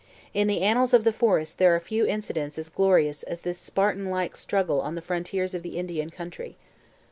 In the annals of the forest there are few incidents as glorious as this Spartan like struggle on the frontiers of the Indian country.